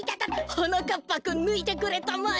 はなかっぱくんぬいてくれたまえ。